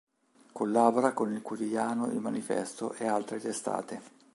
Collabora col quotidiano Il manifesto e altre testate.